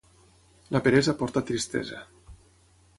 La peresa porta tristesa.